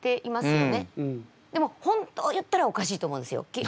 でも本当言ったらおかしいと思うんですよ。